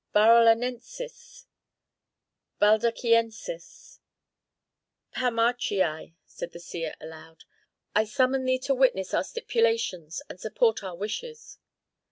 "Baralanensis, Baldachiensis, Paumachiæ," said the seer, aloud, "I summon thee to witness our stipulations and support our wishes."